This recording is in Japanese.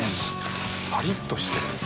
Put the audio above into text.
パリッとしてる。